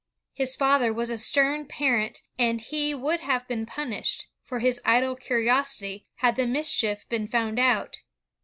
His father was a stem parent, and he ... would have been punished ... for his idle curi osity, had the mischief been found out.